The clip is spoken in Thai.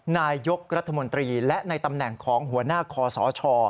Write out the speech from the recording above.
นายกรัฐมนตรีและในตำแหน่งของหัวหน้าคอสช